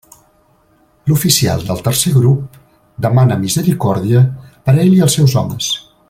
L'oficial del tercer grup demana misericòrdia per a ell i els seus homes.